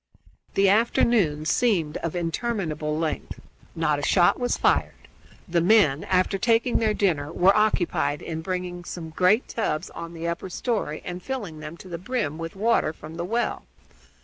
The afternoon seemed of interminable length. Not a shot was fired. The men, after taking their dinner, were occupied in bringing some great tubs on to the upper story and filling them to the brim with water from the well.